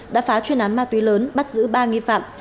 đã phá chuyên án ma túy lớn bắt giữ ba nghi phạm